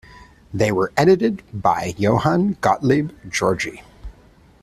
They were edited by Johann Gottlieb Georgi.